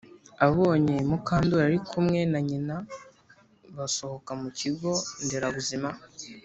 abonye mukandori ari kumwe na nyina basohoka mu kigo nderabuzima